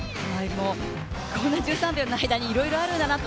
もう、この１３秒の間にいろいろあるんだなと。